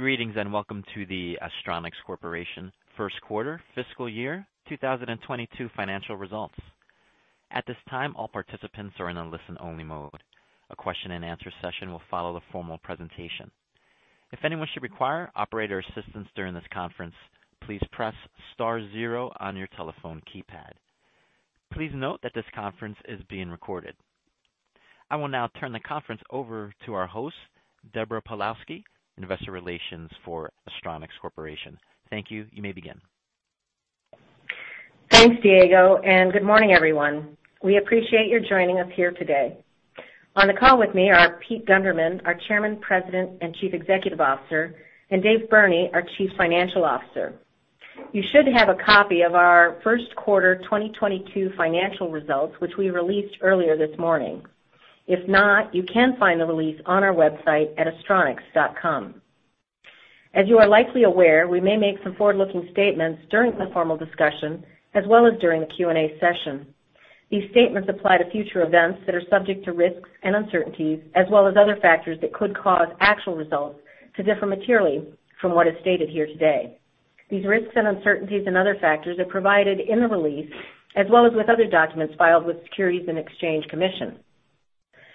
Greetings, and welcome to the Astronics Corporation first quarter fiscal year 2022 financial results. At this time, all participants are in a listen-only mode. A question-and-answer session will follow the formal presentation. If anyone should require operator assistance during this conference, please press star zero on your telephone keypad. Please note that this conference is being recorded. I will now turn the conference over to our host, Deborah Pawlowski, Investor Relations for Astronics Corporation. Thank you. You may begin. Thanks, Diego, and good morning, everyone. We appreciate your joining us here today. On the call with me are Pete Gundermann, our Chairman, President, and Chief Executive Officer, and Dave Burney, our Chief Financial Officer. You should have a copy of our first quarter 2022 financial results, which we released earlier this morning. If not, you can find the release on our website at astronics.com. As you are likely aware, we may make some forward-looking statements during the formal discussion as well as during the Q&A session. These statements apply to future events that are subject to risks and uncertainties as well as other factors that could cause actual results to differ materially from what is stated here today. These risks and uncertainties and other factors are provided in the release as well as with other documents filed with Securities and Exchange Commission.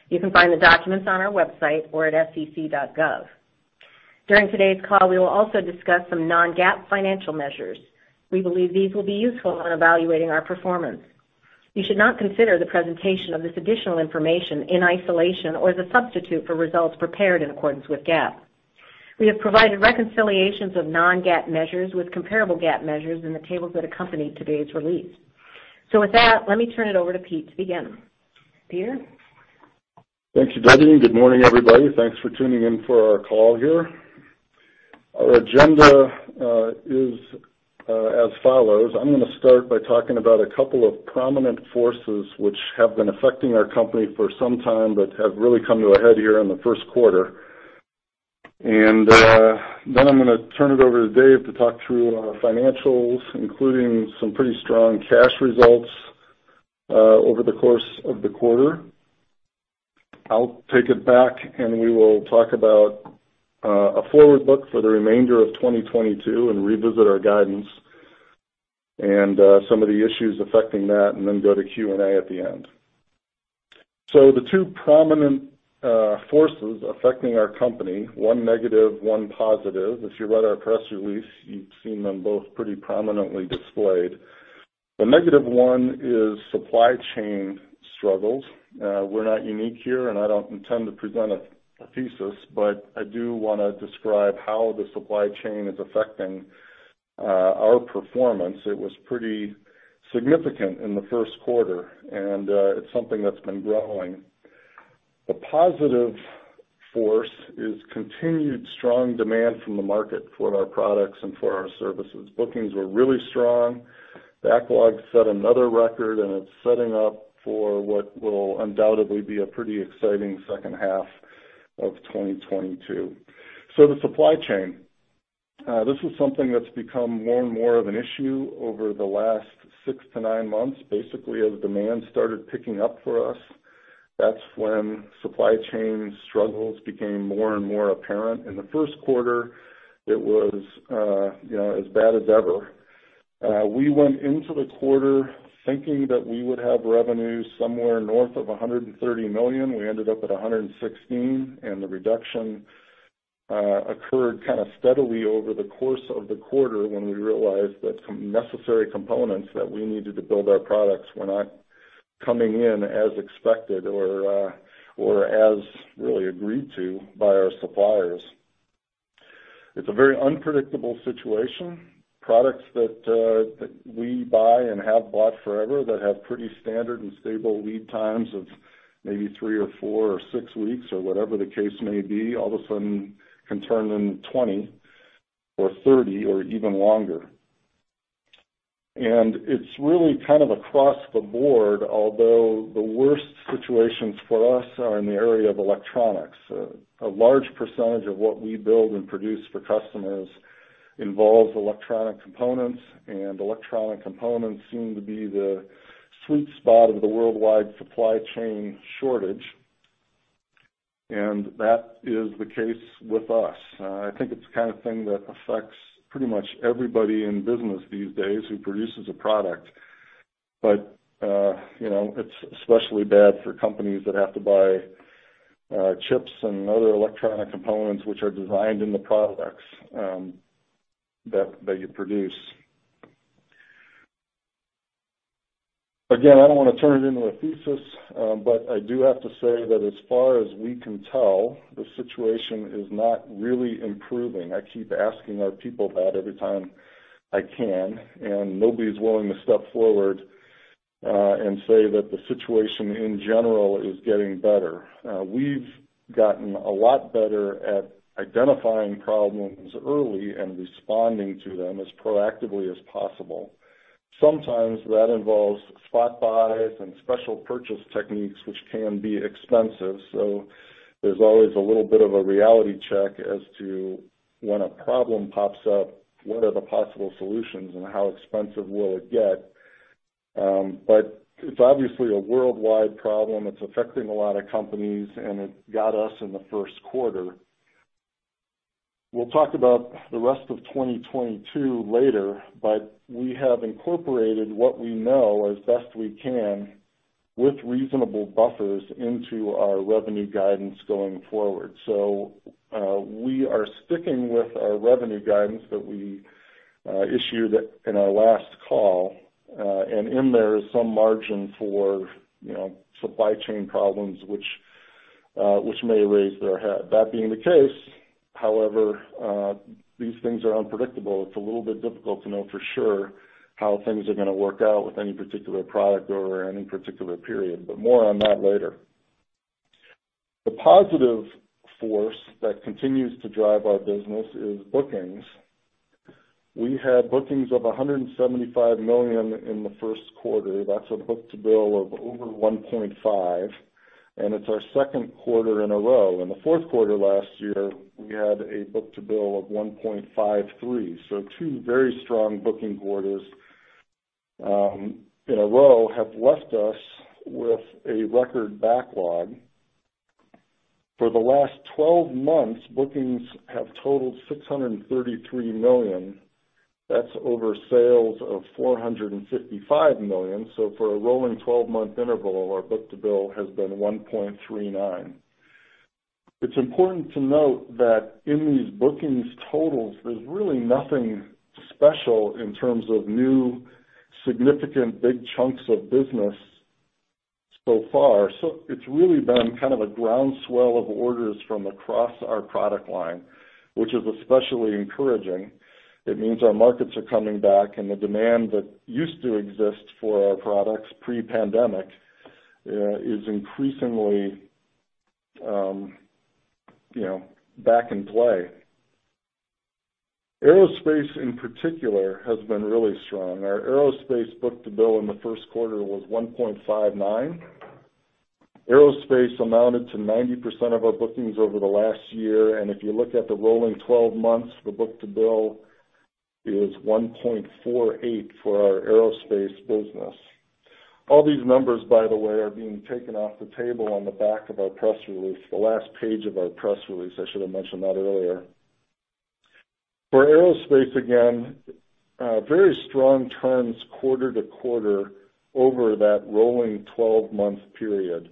You can find the documents on our website or at sec.gov. During today's call, we will also discuss some non-GAAP financial measures. We believe these will be useful in evaluating our performance. You should not consider the presentation of this additional information in isolation or as a substitute for results prepared in accordance with GAAP. We have provided reconciliations of non-GAAP measures with comparable GAAP measures in the tables that accompany today's release. With that, let me turn it over to Pete to begin. Peter? Thank you, Debbie, and good morning, everybody. Thanks for tuning in for our call here. Our agenda is as follows. I'm gonna start by talking about a couple of prominent forces which have been affecting our company for some time, but have really come to a head here in the first quarter. Then I'm gonna turn it over to Dave to talk through our financials, including some pretty strong cash results over the course of the quarter. I'll take it back, and we will talk about a forward look for the remainder of 2022 and revisit our guidance and some of the issues affecting that and then go to Q&A at the end. The two prominent forces affecting our company, one negative, one positive, if you read our press release, you've seen them both pretty prominently displayed. The negative one is supply chain struggles. We're not unique here, and I don't intend to present a thesis, but I do wanna describe how the supply chain is affecting our performance. It was pretty significant in the first quarter, and it's something that's been growing. The positive force is continued strong demand from the market for our products and for our services. Bookings were really strong. The backlog set another record, and it's setting up for what will undoubtedly be a pretty exciting second half of 2022. The supply chain. This is something that's become more and more of an issue over the last six to nine months. Basically, as demand started picking up for us, that's when supply chain struggles became more and more apparent. In the first quarter, it was, you know, as bad as ever. We went into the quarter thinking that we would have revenue somewhere north of $130 million. We ended up at $116 million, and the reduction occurred kind of steadily over the course of the quarter when we realized that some necessary components that we needed to build our products were not coming in as expected or as really agreed to by our suppliers. It's a very unpredictable situation. Products that we buy and have bought forever that have pretty standard and stable lead times of maybe three or four or six weeks or whatever the case may be, all of a sudden can turn into 20 or 30 or even longer. It's really kind of across the board, although the worst situations for us are in the area of electronics. A large percentage of what we build and produce for customers involves electronic components, and electronic components seem to be the sweet spot of the worldwide supply chain shortage. That is the case with us. I think it's the kind of thing that affects pretty much everybody in business these days who produces a product. You know, it's especially bad for companies that have to buy chips and other electronic components which are designed in the products that you produce. Again, I don't want to turn it into a thesis, but I do have to say that as far as we can tell, the situation is not really improving. I keep asking our people that every time I can, and nobody's willing to step forward and say that the situation in general is getting better. We've gotten a lot better at identifying problems early and responding to them as proactively as possible. Sometimes that involves spot buys and special purchase techniques, which can be expensive. There's always a little bit of a reality check as to when a problem pops up, what are the possible solutions and how expensive will it get? It's obviously a worldwide problem. It's affecting a lot of companies, and it got us in the first quarter. We'll talk about the rest of 2022 later. We have incorporated what we know as best we can with reasonable buffers into our revenue guidance going forward. We are sticking with our revenue guidance that we issued in our last call. In there is some margin for, you know, supply chain problems which may raise their head. That being the case, however, these things are unpredictable. It's a little bit difficult to know for sure how things are gonna work out with any particular product or any particular period, but more on that later. The positive force that continues to drive our business is bookings. We had bookings of $175 million in the first quarter. That's a book-to-bill of over 1.5, and it's our second quarter in a row. In the fourth quarter last year, we had a book-to-bill of 1.53, so two very strong booking quarters in a row have left us with a record backlog. For the last 12 months, bookings have totaled $633 million. That's over sales of $455 million, so for a rolling 12-month interval, our book-to-bill has been 1.39. It's important to note that in these bookings totals, there's really nothing special in terms of new, significant, big chunks of business so far. It's really been kind of a groundswell of orders from across our product line, which is especially encouraging. It means our markets are coming back, and the demand that used to exist for our products pre-pandemic is increasingly, you know, back in play. Aerospace, in particular, has been really strong. Our aerospace book-to-bill in the first quarter was 1.59. Aerospace amounted to 90% of our bookings over the last year, and if you look at the rolling 12 months, the book-to-bill is 1.48 for our aerospace business. All these numbers, by the way, are being taken off the table on the back of our press release, the last page of our press release. I should have mentioned that earlier. For aerospace, again, very strong turns quarter to quarter over that rolling 12-month period.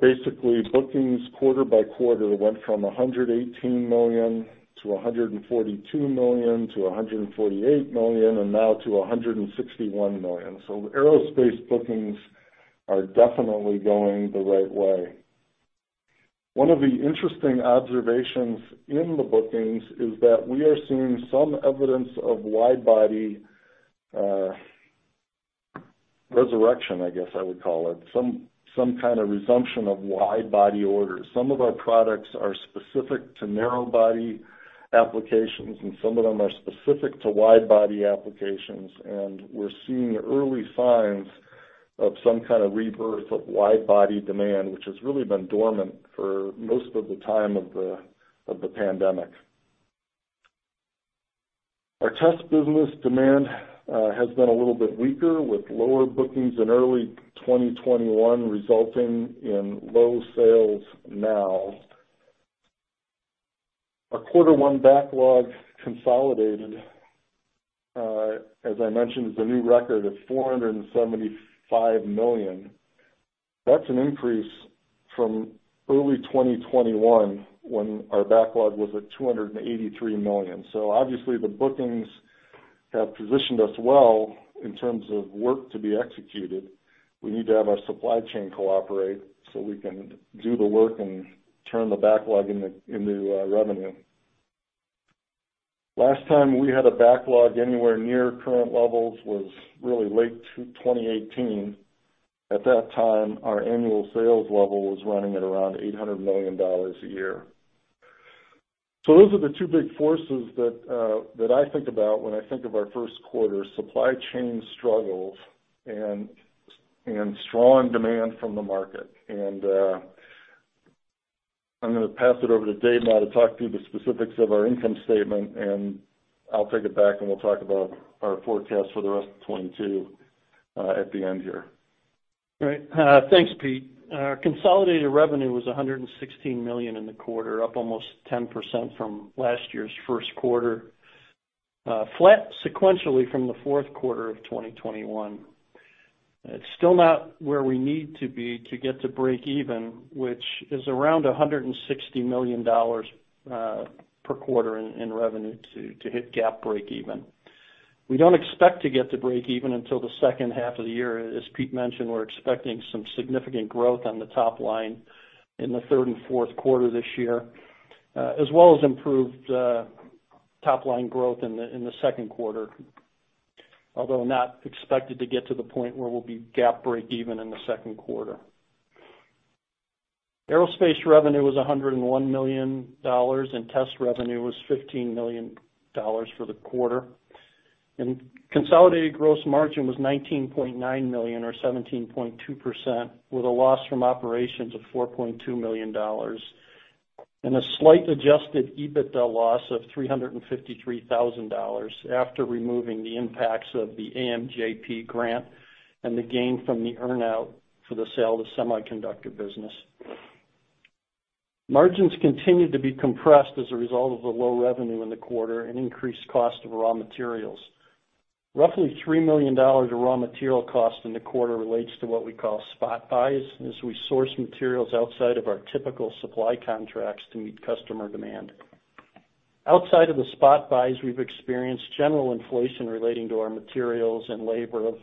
Basically, bookings quarter by quarter went from $118 million to $142 million to $148 million, and now to $161 million. So aerospace bookings are definitely going the right way. One of the interesting observations in the bookings is that we are seeing some evidence of wide-body resurrection, I guess I would call it, some kind of resumption of wide-body orders. Some of our products are specific to narrow-body applications, and some of them are specific to wide-body applications. We're seeing early signs of some kind of rebirth of wide-body demand, which has really been dormant for most of the time of the pandemic. Our test business demand has been a little bit weaker, with lower bookings in early 2021 resulting in low sales now. Our quarter one backlog consolidated, as I mentioned, is a new record of $475 million. That's an increase from early 2021 when our backlog was at $283 million. Obviously the bookings have positioned us well in terms of work to be executed. We need to have our supply chain cooperate so we can do the work and turn the backlog into revenue. Last time we had a backlog anywhere near current levels was really late 2018. At that time, our annual sales level was running at around $800 million a year. Those are the two big forces that I think about when I think of our first quarter, supply chain struggles and strong demand from the market. I'm gonna pass it over to Dave now to talk to you about the specifics of our income statement, and I'll take it back, and we'll talk about our forecast for the rest of 2022 at the end here. Right. Thanks, Pete. Consolidated revenue was $116 million in the quarter, up almost 10% from last year's first quarter, flat sequentially from the fourth quarter of 2021. It's still not where we need to be to get to breakeven, which is around $160 million per quarter in revenue to hit GAAP breakeven. We don't expect to get to breakeven until the second half of the year. As Pete mentioned, we're expecting some significant growth on the top line in the third and fourth quarter this year, as well as improved top-line growth in the second quarter, although not expected to get to the point where we'll be GAAP breakeven in the second quarter. Aerospace revenue was $101 million, and test revenue was $15 million for the quarter. Consolidated gross margin was $19.9 million or 17.2%, with a loss from operations of $4.2 million. A slight adjusted EBITDA loss of $353,000 after removing the impacts of the AMJP grant and the gain from the earn-out for the sale of the semiconductor business. Margins continued to be compressed as a result of the low revenue in the quarter and increased cost of raw materials. Roughly $3 million of raw material cost in the quarter relates to what we call spot buys, as we source materials outside of our typical supply contracts to meet customer demand. Outside of the spot buys, we've experienced general inflation relating to our materials and labor of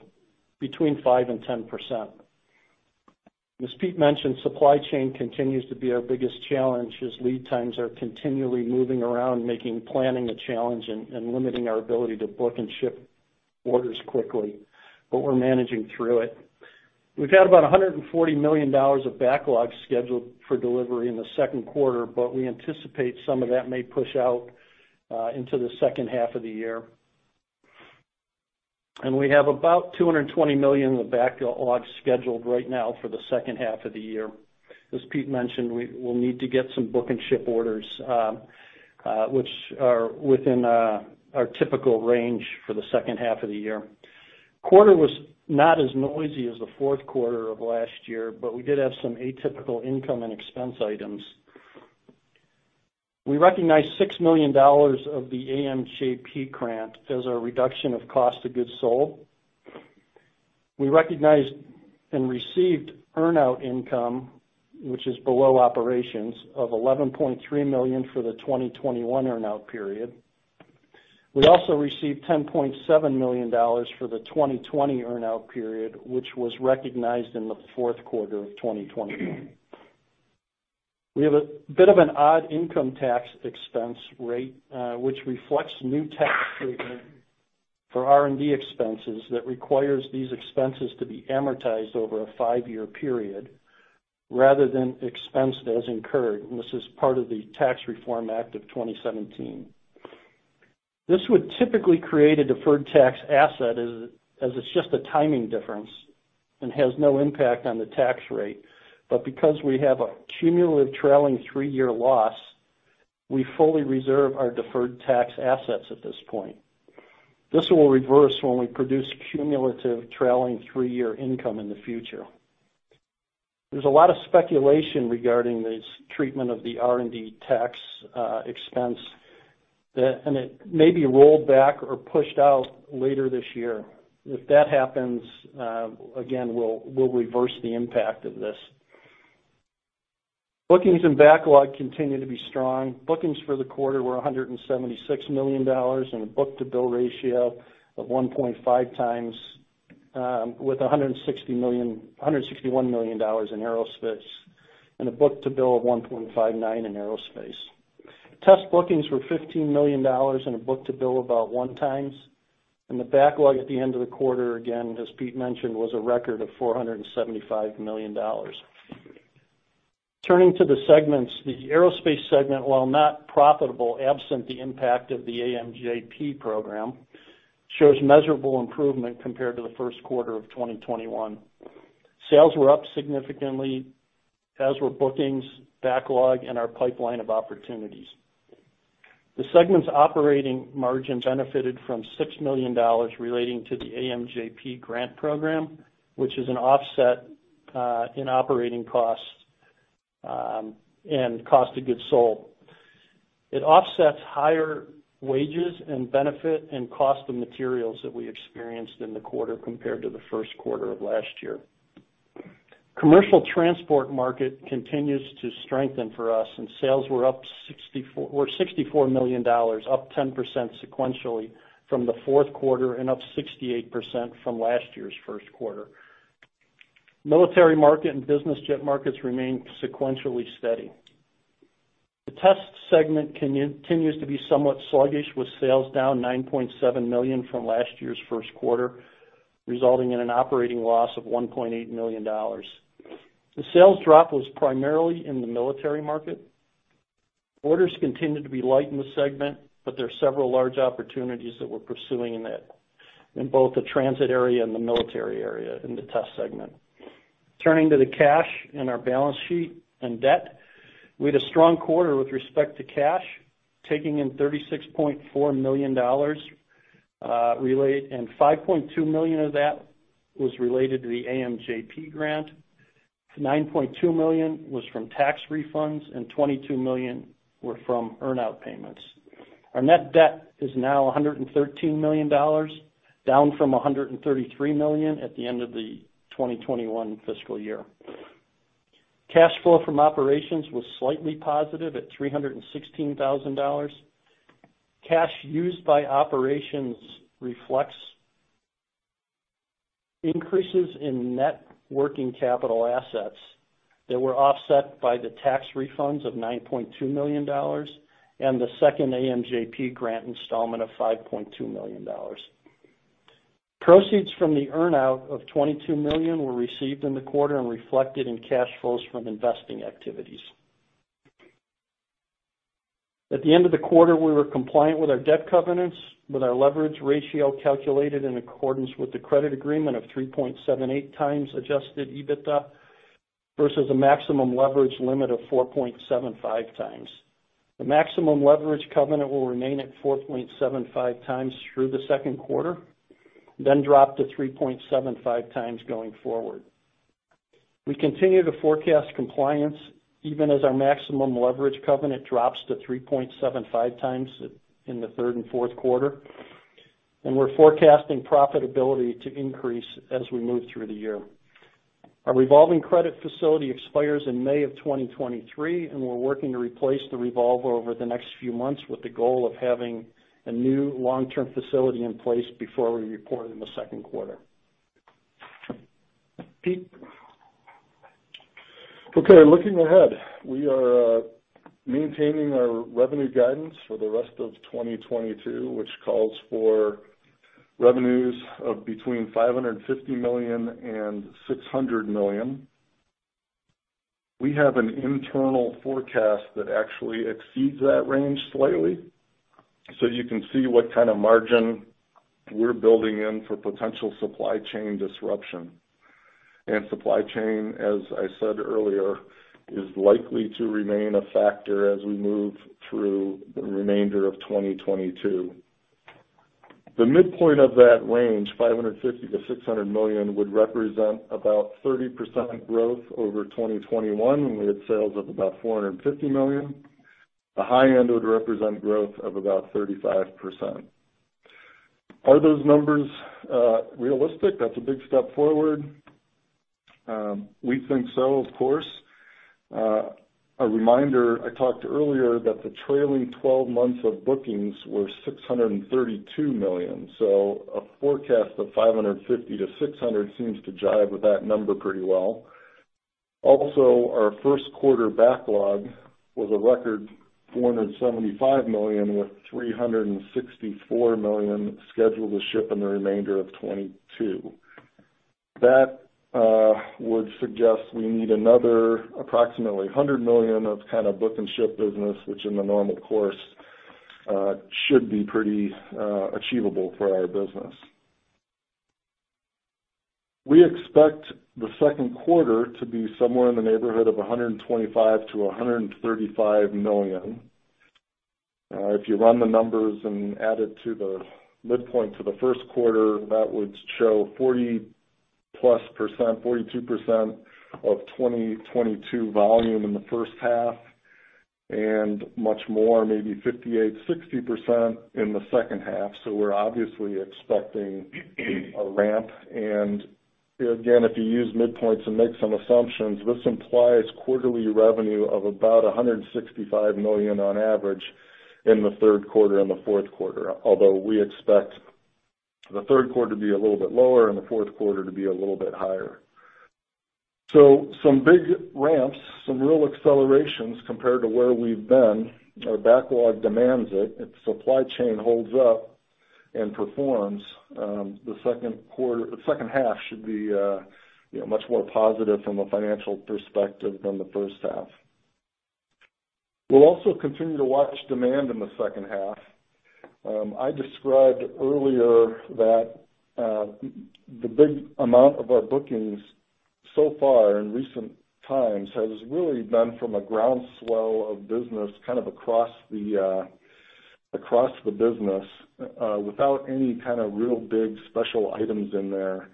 between 5% and 10%. As Pete mentioned, supply chain continues to be our biggest challenge as lead times are continually moving around, making planning a challenge and limiting our ability to book and ship orders quickly. We're managing through it. We've had about $140 million of backlog scheduled for delivery in the second quarter, but we anticipate some of that may push out into the second half of the year. We have about $220 million in the backlog scheduled right now for the second half of the year. As Pete mentioned, we'll need to get some book and ship orders, which are within our typical range for the second half of the year. Quarter was not as noisy as the fourth quarter of last year, but we did have some atypical income and expense items. We recognized $6 million of the AMJP grant as a reduction of cost of goods sold. We recognized and received earn-out income, which is below operations, of $11.3 million for the 2021 earn-out period. We also received $10.7 million for the 2020 earn-out period, which was recognized in the fourth quarter of 2020. We have a bit of an odd income tax expense rate, which reflects new tax treatment for R&D expenses that requires these expenses to be amortized over a five-year period rather than expensed as incurred, and this is part of the Tax Reform Act of 2017. This would typically create a deferred tax asset as it's just a timing difference and has no impact on the tax rate. Because we have a cumulative trailing three-year loss, we fully reserve our deferred tax assets at this point. This will reverse when we produce cumulative trailing three-year income in the future. There's a lot of speculation regarding this treatment of the R&D tax expense that and it may be rolled back or pushed out later this year. If that happens, again, we'll reverse the impact of this. Bookings and backlog continue to be strong. Bookings for the quarter were $176 million and a book-to-bill ratio of 1.5x, with $161 million in aerospace and a book-to-bill of 1.59 in aerospace. Test bookings were $15 million and a book-to-bill about 1x. The backlog at the end of the quarter, again, as Pete mentioned, was a record of $475 million. Turning to the segments. The aerospace segment, while not profitable, absent the impact of the AMJP program, shows measurable improvement compared to the first quarter of 2021. Sales were up significantly, as were bookings, backlog, and our pipeline of opportunities. The segment's operating margin benefited from $6 million relating to the AMJP grant program, which is an offset in operating costs and cost of goods sold. It offsets higher wages and benefits and costs of materials that we experienced in the quarter compared to the first quarter of last year. Commercial transport market continues to strengthen for us, and sales were up $64 million, up 10% sequentially from the fourth quarter and up 68% from last year's first quarter. Military market and business jet markets remain sequentially steady. The test segment continues to be somewhat sluggish, with sales down $9.7 million from last year's first quarter, resulting in an operating loss of $1.8 million. The sales drop was primarily in the military market. Orders continued to be light in the segment, but there are several large opportunities that we're pursuing in it, in both the transit area and the military area in the test segment. Turning to the cash and our balance sheet and debt. We had a strong quarter with respect to cash, taking in $36.4 million, and $5.2 million of that was related to the AMJP grant. $9.2 million was from tax refunds, and $22 million were from earn-out payments. Our net debt is now $113 million, down from $133 million at the end of the 2021 fiscal year. Cash flow from operations was slightly positive at $316,000. Cash used by operations reflects increases in net working capital assets that were offset by the tax refunds of $9.2 million and the second AMJP grant installment of $5.2 million. Proceeds from the earn-out of $22 million were received in the quarter and reflected in cash flows from investing activities. At the end of the quarter, we were compliant with our debt covenants, with our leverage ratio calculated in accordance with the credit agreement of 3.78x adjusted EBITDA versus a maximum leverage limit of 4.75x. The maximum leverage covenant will remain at 4.75x through the second quarter, then drop to 3.75x going forward. We continue to forecast compliance even as our maximum leverage covenant drops to 3.75x in the third and fourth quarter, and we're forecasting profitability to increase as we move through the year. Our revolving credit facility expires in May of 2023, and we're working to replace the revolver over the next few months with the goal of having a new long-term facility in place before we report in the second quarter. Pete? Okay, looking ahead, we are maintaining our revenue guidance for the rest of 2022, which calls for revenues of between $550 million and $600 million. We have an internal forecast that actually exceeds that range slightly, so you can see what kind of margin we're building in for potential supply chain disruption. Supply chain, as I said earlier, is likely to remain a factor as we move through the remainder of 2022. The midpoint of that range, $550 million-$600 million, would represent about 30% growth over 2021, when we had sales of about $450 million. The high end would represent growth of about 35%. Are those numbers realistic? That's a big step forward. We think so, of course. A reminder, I talked earlier that the trailing twelve months of bookings were $632 million. A forecast of $550 million-$600 million seems to jibe with that number pretty well. Also, our first quarter backlog was a record $475 million, with $364 million scheduled to ship in the remainder of 2022. That would suggest we need another approximately $100 million of kind of book and ship business, which in the normal course should be pretty achievable for our business. We expect the second quarter to be somewhere in the neighborhood of $125 million-$135 million. If you run the numbers and add it to the midpoint for the first quarter, that would show 40%+, 42% of 2022 volume in the first half and much more, maybe 58%, 60% in the second half. We're obviously expecting a ramp. Again, if you use midpoints and make some assumptions, this implies quarterly revenue of about $165 million on average in the third quarter and the fourth quarter, although we expect the third quarter to be a little bit lower and the fourth quarter to be a little bit higher. Some big ramps, some real accelerations compared to where we've been. Our backlog demands it. If supply chain holds up and performs, the second half should be, you know, much more positive from a financial perspective than the first half. We'll also continue to watch demand in the second half. I described earlier that the big amount of our bookings so far in recent times has really been from a groundswell of business kind of across the business without any kind of real big special items in there.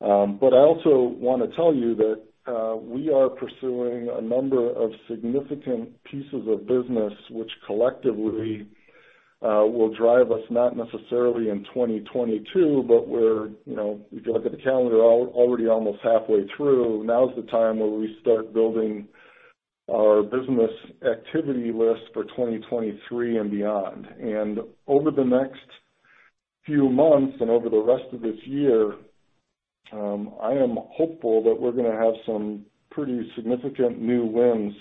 But I also wanna tell you that we are pursuing a number of significant pieces of business which collectively will drive us, not necessarily in 2022, but we're, you know, if you look at the calendar, already almost halfway through, now is the time where we start building our business activity list for 2023 and beyond. Over the next few months and over the rest of this year, I am hopeful that we're gonna have some pretty significant new wins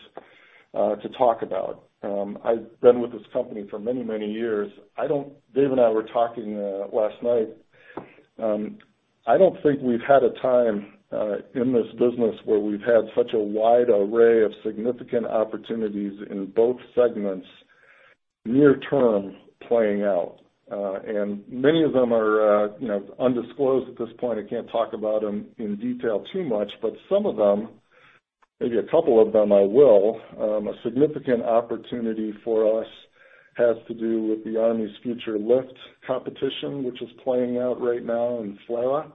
to talk about. I've been with this company for many, many years. Dave and I were talking last night. I don't think we've had a time in this business where we've had such a wide array of significant opportunities in both segments near term playing out. Many of them are, you know, undisclosed at this point. I can't talk about them in detail too much. Some of them, maybe a couple of them I will. A significant opportunity for us has to do with the Army's Future Lift competition, which is playing out right now in FLRAA.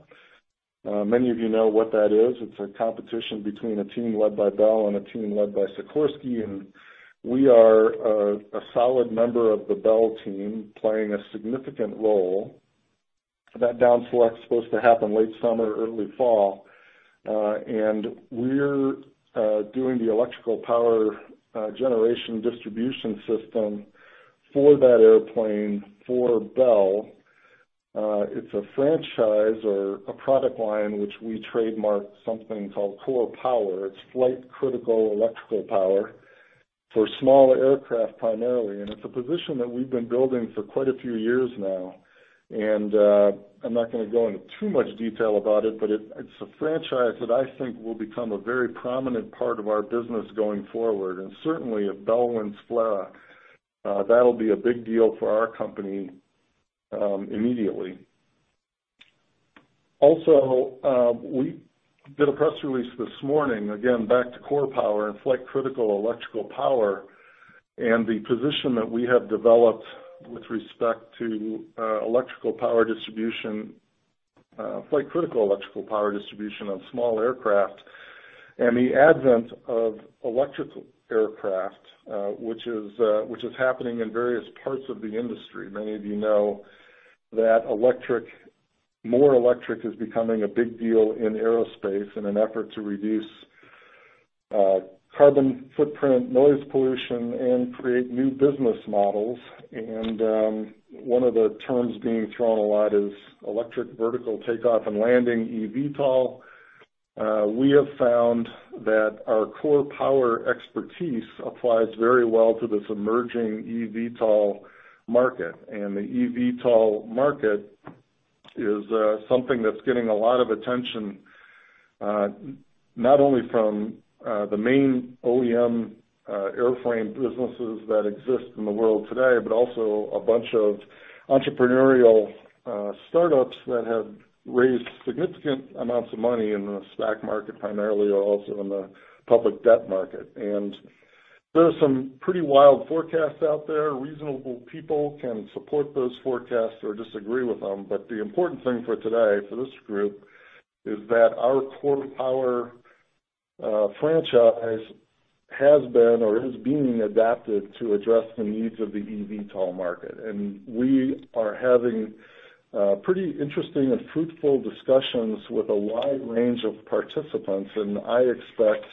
Many of you know what that is. It's a competition between a team led by Bell and a team led by Sikorsky. We are a solid member of the Bell team, playing a significant role. That down select is supposed to happen late summer, early fall. We're doing the electrical power generation distribution system for that airplane for Bell. It's a franchise or a product line which we trademarked something called CorePower. It's flight-critical electrical power for small aircraft primarily. I'm not gonna go into too much detail about it, but it's a franchise that I think will become a very prominent part of our business going forward. Certainly, if Bell wins FLRAA, that'll be a big deal for our company immediately. Also, we did a press release this morning, again, back to CorePower and flight critical electrical power, and the position that we have developed with respect to electrical power distribution, flight critical electrical power distribution on small aircraft, and the advent of electric aircraft, which is happening in various parts of the industry. Many of you know that more electric is becoming a big deal in aerospace in an effort to reduce carbon footprint, noise pollution, and create new business models. One of the terms being thrown a lot is Electric Vertical Takeoff and Landing, eVTOL. We have found that our CorePower expertise applies very well to this emerging eVTOL market. The eVTOL market is something that's getting a lot of attention, not only from the main OEM airframe businesses that exist in the world today, but also a bunch of entrepreneurial startups that have raised significant amounts of money in the stock market, primarily, also in the public debt market. There are some pretty wild forecasts out there. Reasonable people can support those forecasts or disagree with them. The important thing for today, for this group, is that our CorePower franchise has been or is being adapted to address the needs of the eVTOL market. We are having pretty interesting and fruitful discussions with a wide range of participants. I expect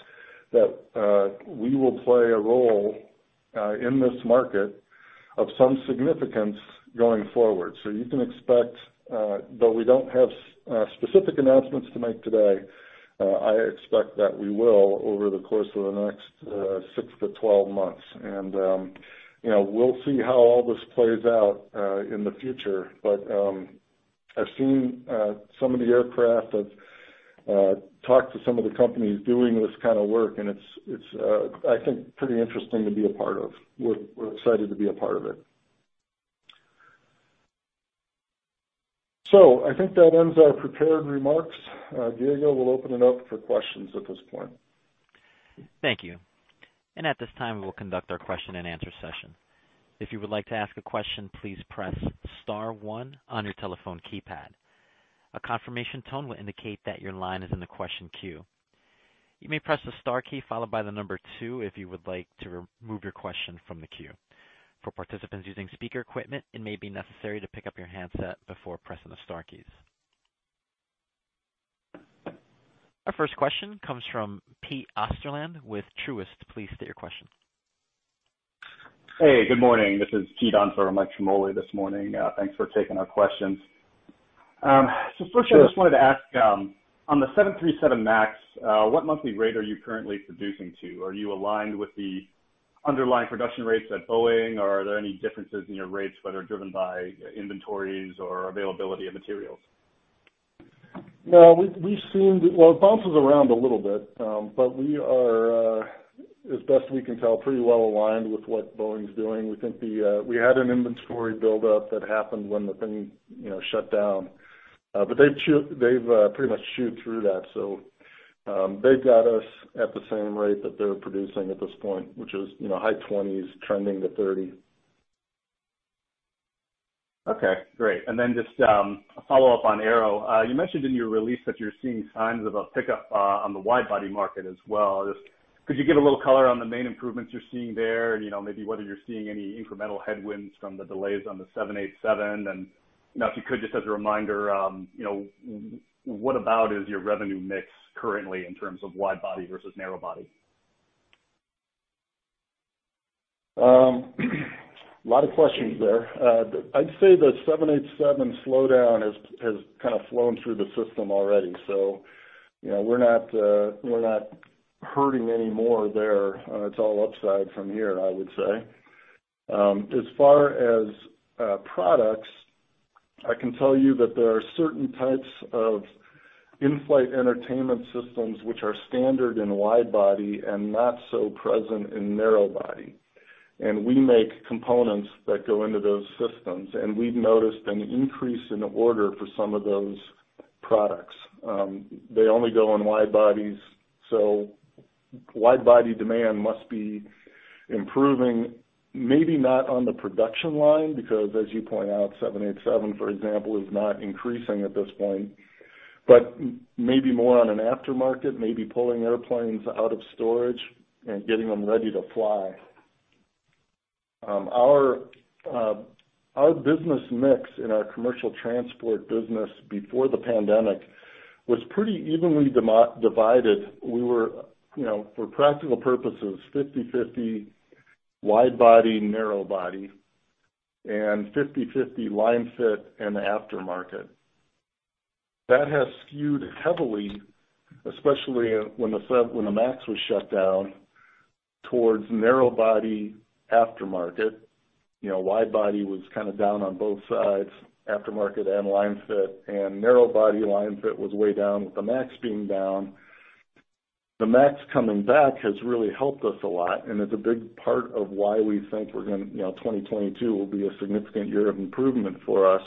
that we will play a role in this market of some significance going forward. You can expect, though we don't have specific announcements to make today, I expect that we will over the course of the next six to 12 months. You know, we'll see how all this plays out in the future. I've seen some of the aircraft. I've talked to some of the companies doing this kind of work, and it's I think pretty interesting to be a part of. We're excited to be a part of it. I think that ends our prepared remarks. Diego will open it up for questions at this point. Thank you. At this time, we'll conduct our question-and-answer session. If you would like to ask a question, please press star one on your telephone keypad. A confirmation tone will indicate that your line is in the question queue. You may press the star key followed by the number two if you would like to remove your question from the queue. For participants using speaker equipment, it may be necessary to pick up your handset before pressing the star keys. Our first question comes from Pete Osterland with Truist. Please state your question. Hey, good morning. This is Pete on for Mike Ciarmoli this morning. Thanks for taking our questions. First I just- Sure. Wanted to ask, on the 737 MAX, what monthly rate are you currently producing to? Are you aligned with the underlying production rates at Boeing, or are there any differences in your rates, whether driven by inventories or availability of materials? Well, we've seen it bounces around a little bit, but we are, as best we can tell, pretty well aligned with what Boeing's doing. We think we had an inventory buildup that happened when the thing, you know, shut down. But they've pretty much chewed through that. They've got us at the same rate that they're producing at this point, which is, you know, high 20s trending to 30. Okay, great. Just a follow-up on aero. You mentioned in your release that you're seeing signs of a pickup on the wide-body market as well. Could you give a little color on the main improvements you're seeing there? You know, maybe whether you're seeing any incremental headwinds from the delays on the 787. You know, if you could, just as a reminder, what about is your revenue mix currently in terms of wide-body versus narrow-body? Lot of questions there. I'd say the 787 slowdown has kind of flown through the system already. You know, we're not hurting any more there. It's all upside from here, I would say. As far as products, I can tell you that there are certain types of in-flight entertainment systems which are standard in wide-body and not so present in narrow-body. We make components that go into those systems, and we've noticed an increase in orders for some of those products. They only go on wide-bodies, so wide-body demand must be improving, maybe not on the production line because, as you point out, 787, for example, is not increasing at this point, but maybe more on an aftermarket, maybe pulling airplanes out of storage and getting them ready to fly. Our business mix in our commercial transport business before the pandemic was pretty evenly divided. We were, you know, for practical purposes, 50/50 wide body, narrow body, and 50/50 line fit and aftermarket. That has skewed heavily, especially when the MAX was shut down, towards narrow body aftermarket. You know, wide body was kind of down on both sides, aftermarket and line fit, and narrow body line fit was way down with the MAX being down. The MAX coming back has really helped us a lot, and it's a big part of why we think we're gonna, you know, 2022 will be a significant year of improvement for us.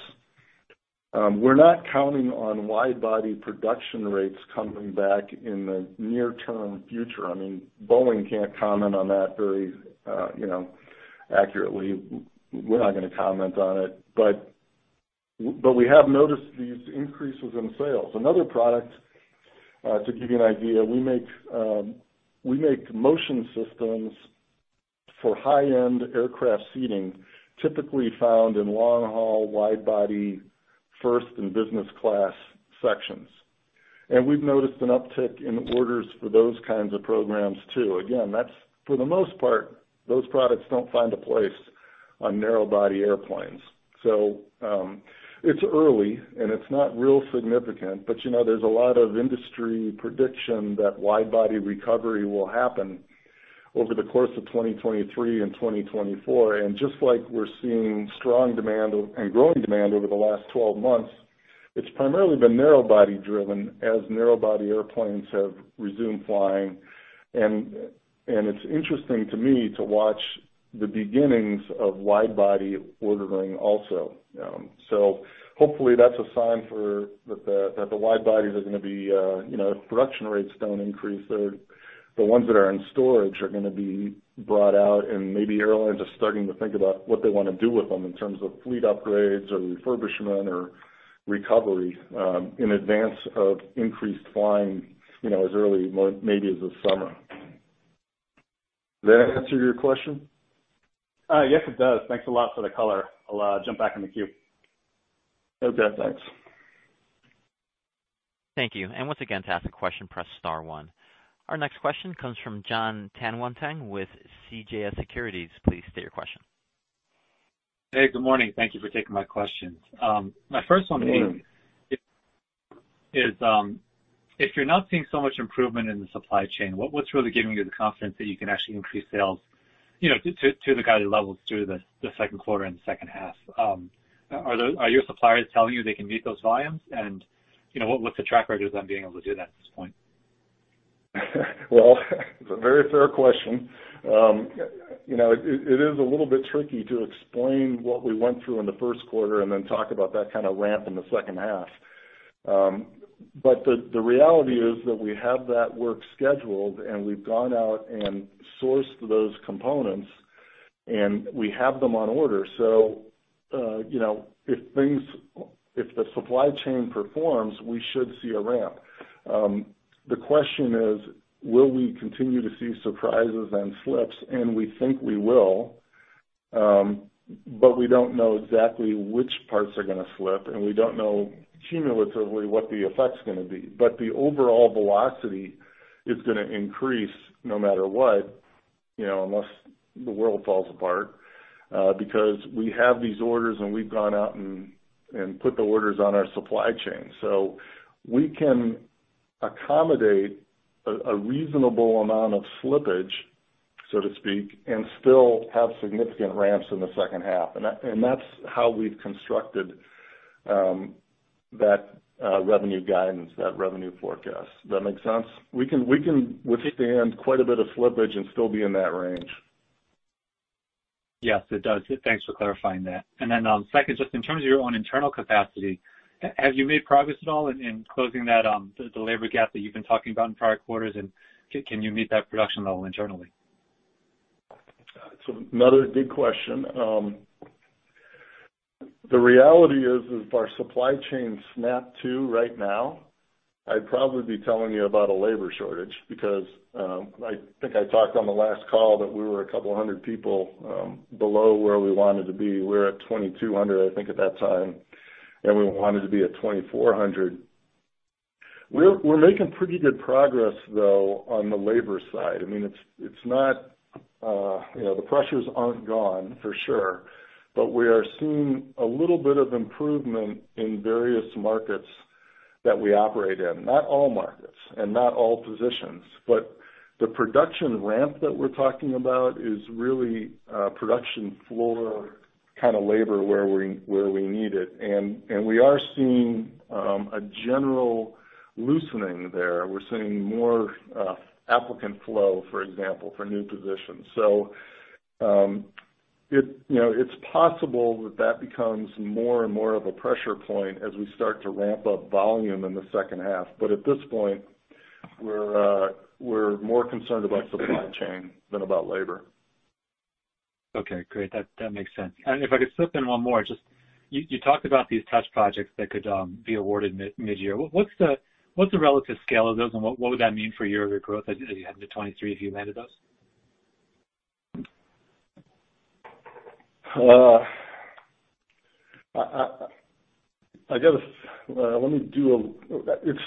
We're not counting on wide body production rates coming back in the near-term future. I mean, Boeing can't comment on that very, you know, accurately. We're not gonna comment on it. We have noticed these increases in sales. Another product to give you an idea, we make motion systems for high-end aircraft seating, typically found in long haul, wide body, first and business class sections. We've noticed an uptick in orders for those kinds of programs too. Again, that's, for the most part, those products don't find a place on narrow body airplanes. It's early, and it's not real significant, but you know, there's a lot of industry prediction that wide body recovery will happen over the course of 2023 and 2024. Just like we're seeing strong demand and growing demand over the last 12 months, it's primarily been narrow body driven as narrow body airplanes have resumed flying. It's interesting to me to watch the beginnings of wide body ordering also. Hopefully, that's a sign that the wide bodies are gonna be, you know, if production rates don't increase, the ones that are in storage are gonna be brought out, and maybe airlines are starting to think about what they wanna do with them in terms of fleet upgrades or refurbishment or recovery, in advance of increased flying, you know, as early maybe as this summer. Did that answer your question? Yes, it does. Thanks a lot for the color. I'll jump back in the queue. Okay, thanks. Thank you. Once again, to ask a question, press star one. Our next question comes from Jon Tanwanteng with CJS Securities. Please state your question. Hey, good morning. Thank you for taking my questions. My first one to you is, if you're not seeing so much improvement in the supply chain, what's really giving you the confidence that you can actually increase sales, you know, to the guided levels through the second quarter and second half? Are your suppliers telling you they can meet those volumes? You know, what's the track record of them being able to do that at this point? Well, it's a very fair question. You know, it is a little bit tricky to explain what we went through in the first quarter and then talk about that kind of ramp in the second half. The reality is that we have that work scheduled, and we've gone out and sourced those components, and we have them on order. You know, if the supply chain performs, we should see a ramp. The question is, will we continue to see surprises and slips? We think we will, but we don't know exactly which parts are gonna slip, and we don't know cumulatively what the effect's gonna be. The overall velocity is gonna increase no matter what, you know, unless the world falls apart, because we have these orders, and we've gone out and put the orders on our supply chain. We can accommodate a reasonable amount of slippage, so to speak, and still have significant ramps in the second half. That's how we've constructed that revenue guidance, that revenue forecast. That make sense? We can withstand quite a bit of slippage and still be in that range. Yes, it does. Thanks for clarifying that. Second, just in terms of your own internal capacity, have you made progress at all in closing that labor gap that you've been talking about in prior quarters, and can you meet that production level internally? It's another good question. The reality is, if our supply chain snapped to right now, I'd probably be telling you about a labor shortage because I think I talked on the last call that we were couple hundred people below where we wanted to be. We were at 2,200, I think, at that time, and we wanted to be at 2,400. We're making pretty good progress, though, on the labor side. I mean, it's not, you know, the pressures aren't gone, for sure, but we are seeing a little bit of improvement in various markets that we operate in. Not all markets and not all positions, but the production ramp that we're talking about is really production floor kind of labor where we need it. We are seeing a general loosening there. We're seeing more applicant flow, for example, for new positions. You know, it's possible that that becomes more and more of a pressure point as we start to ramp up volume in the second half. At this point, we're more concerned about supply chain than about labor. Okay, great. That makes sense. If I could slip in one more, just you talked about these touch projects that could be awarded midyear. What's the relative scale of those, and what would that mean for your growth as you head into 2023 if you landed those? It's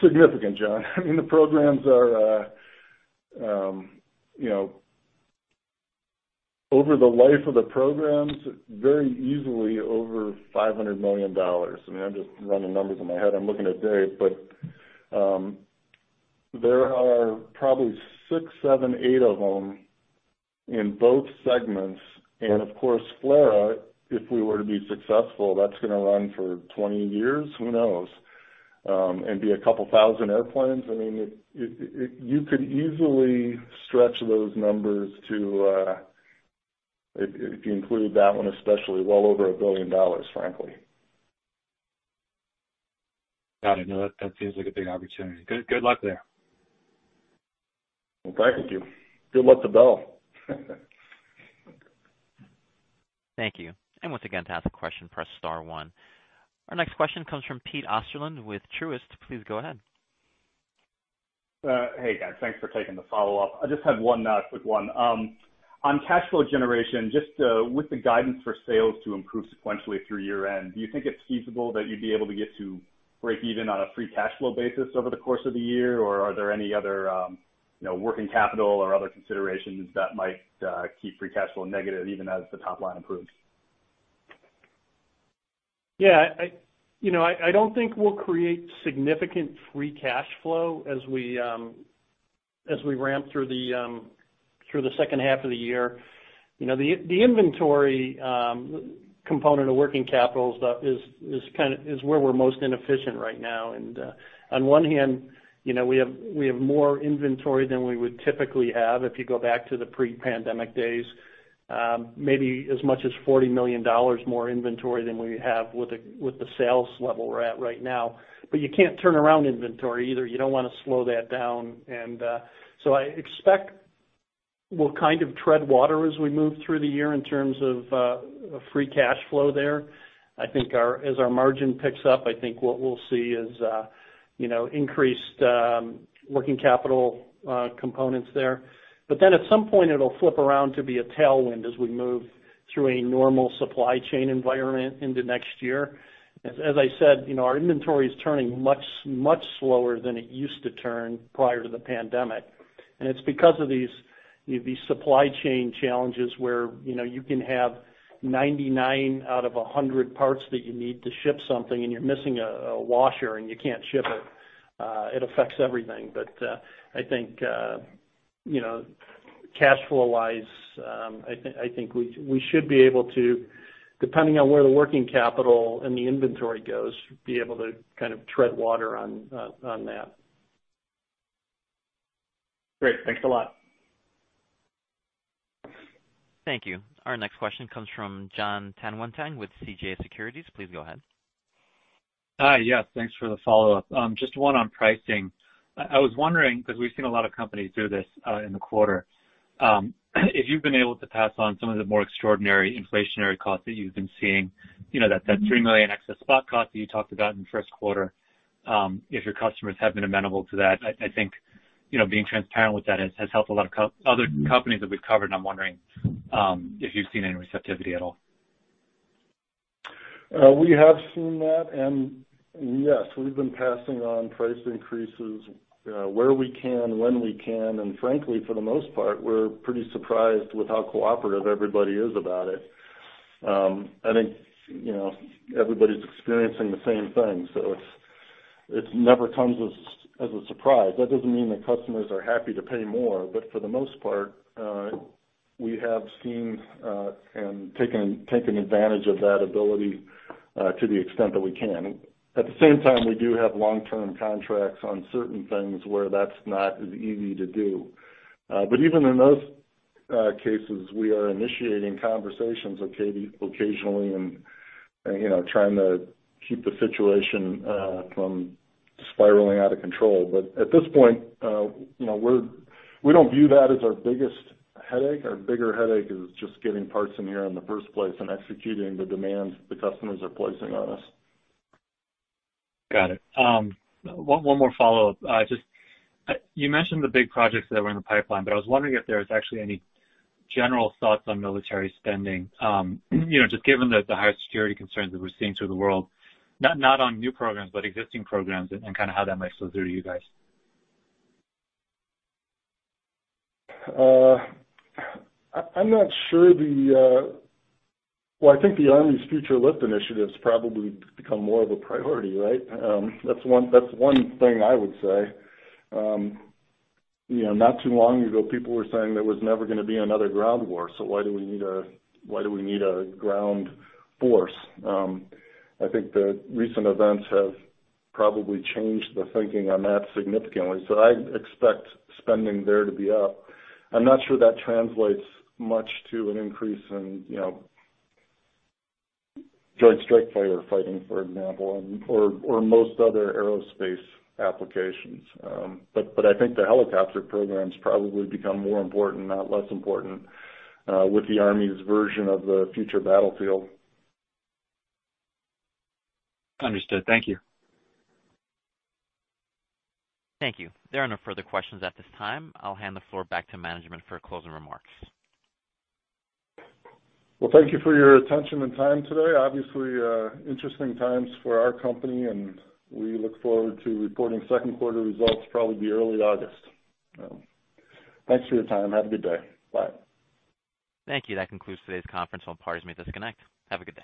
significant, Jon. I mean, the programs are over the life of the programs, very easily over $500 million. I mean, I'm just running numbers in my head. I'm looking at David, but there are probably six, seven, eight of them in both segments. Of course, FLRAA, if we were to be successful, that's gonna run for 20 years, who knows, and be a couple thousand airplanes. I mean, you could easily stretch those numbers to, if you include that one especially, well over $1 billion, frankly. Got it. No, that seems like a big opportunity. Good, good luck there. Well, thank you. Good luck to Bell. Thank you. Once again, to ask a question, press star one. Our next question comes from Pete Osterland with Truist. Please go ahead. Hey guys, thanks for taking the follow-up. I just had one note, a quick one. On cash flow generation, just, with the guidance for sales to improve sequentially through year-end, do you think it's feasible that you'd be able to get to break even on a free cash flow basis over the course of the year? Or are there any other, you know, working capital or other considerations that might, keep free cash flow negative even as the top line improves? Yeah, you know, I don't think we'll create significant free cash flow as we ramp through the second half of the year. You know, the inventory component of working capital is kinda where we're most inefficient right now. On one hand, you know, we have more inventory than we would typically have if you go back to the pre-pandemic days, maybe as much as $40 million more inventory than we have with the sales level we're at right now. You can't turn around inventory either. You don't wanna slow that down. I expect we'll kind of tread water as we move through the year in terms of free cash flow there. I think as our margin picks up, I think what we'll see is, you know, increased working capital components there. At some point, it'll flip around to be a tailwind as we move through a normal supply chain environment into next year. As I said, our inventory is turning much slower than it used to turn prior to the pandemic. It's because of these supply chain challenges where, you know, you can have 99 out of 100 parts that you need to ship something and you're missing a washer and you can't ship it. It affects everything. I think you know, cash flow wise, I think we should be able to, depending on where the working capital and the inventory goes, be able to kind of tread water on that. Great. Thanks a lot. Thank you. Our next question comes from Jon Tanwanteng with CJS Securities. Please go ahead. Hi. Yes, thanks for the follow-up. Just one on pricing. I was wondering, because we've seen a lot of companies do this, in the quarter, if you've been able to pass on some of the more extraordinary inflationary costs that you've been seeing, you know, that $3 million excess spot cost that you talked about in the first quarter, if your customers have been amenable to that. I think, you know, being transparent with that has helped a lot of other companies that we've covered, and I'm wondering, if you've seen any receptivity at all. We have seen that. Yes, we've been passing on price increases, where we can, when we can. Frankly, for the most part, we're pretty surprised with how cooperative everybody is about it. I think, you know, everybody's experiencing the same thing, so it never comes as a surprise. That doesn't mean that customers are happy to pay more, but for the most part, we have seen and taken advantage of that ability to the extent that we can. At the same time, we do have long-term contracts on certain things where that's not as easy to do. Even in those cases, we are initiating conversations occasionally and, you know, trying to keep the situation from spiraling out of control. At this point, you know, we don't view that as our biggest headache. Our bigger headache is just getting parts in here in the first place and executing the demands the customers are placing on us. Got it. One more follow-up. Just, you mentioned the big projects that were in the pipeline, but I was wondering if there's actually any general thoughts on military spending, you know, just given the higher security concerns that we're seeing throughout the world, not on new programs, but existing programs and kind of how that might filter through you guys. Well, I think the Army's Future Lift initiative's probably become more of a priority, right? That's one thing I would say. You know, not too long ago, people were saying there was never gonna be another ground war, so why do we need a ground force? I think the recent events have probably changed the thinking on that significantly. I expect spending there to be up. I'm not sure that translates much to an increase in, you know, Joint Strike Fighter funding, for example, or most other aerospace applications. But I think the helicopter programs probably become more important, not less important, with the Army's version of the future battlefield. Understood. Thank you. Thank you. There are no further questions at this time. I'll hand the floor back to management for closing remarks. Well, thank you for your attention and time today. Obviously, interesting times for our company, and we look forward to reporting second quarter results probably early August. Thanks for your time. Have a good day. Bye. Thank you. That concludes today's conference. All parties may disconnect. Have a good day.